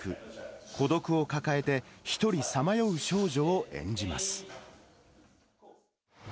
孤独を抱えて１人さまよう少女を演じます。